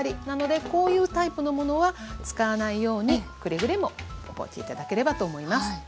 なのでこういうタイプのものは使わないようにくれぐれも覚えて頂ければと思います。